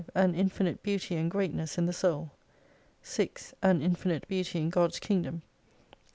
An infinite beauty and greatness in the soul. 6. An infinite beauty in God's Kingdom.